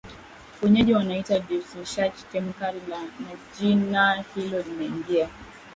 Wenyeji wanaiita Deutschland tamka na jina hilo limeingia